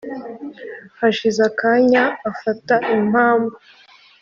hashize akanya, afata impamba